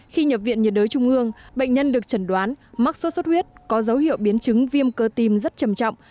khi nhập viện nhiệt đới trung ương bệnh nhân được chẩn đoán mắc sốt xuất huyết có dấu hiệu biến chứng viêm cơ tim rất trầm trọng